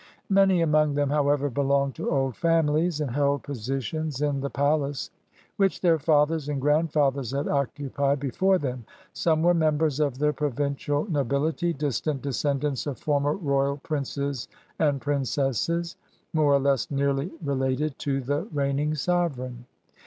Many among them, however, belonged to old families and held positions in the palace which their fathers and grand fathers had occupied before them; some were members of the provincial nobihty, distant descendants of former royal princes and princesses, more or less nearly related to the reigning sovereign.